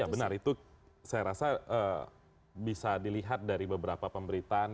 ya benar itu saya rasa bisa dilihat dari beberapa pemberitaan